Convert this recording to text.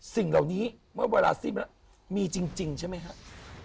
สิ่งเหล่านี้เมื่อเวลาสิ้นแล้วมีจริงใช่ไหมครับ